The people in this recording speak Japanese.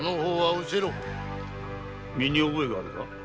身に覚えはあるか？